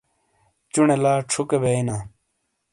چُنے لا چھُکے بیئینا ۔